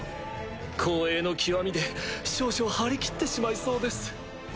光栄の極みで少々張り切ってしまいそうです。